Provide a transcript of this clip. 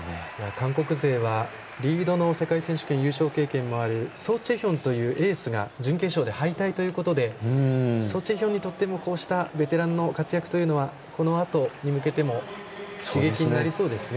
韓国勢はリードの世界選手権優勝経験もあるソ・チェヒョンというエースが準決勝で敗退ということでソ・チェヒョンにとってもベテランの活躍というのは刺激になりそうですね。